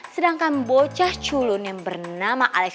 sedangkan bocah culun yang bernama alex